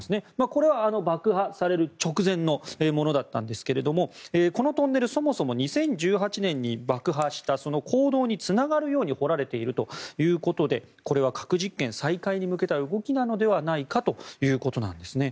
これは爆破される直前のものですがこのトンネルはそもそも２０１８年に爆破した坑道につながるように掘られているということでこれは核実験再開に向けた動きなのではないかということです。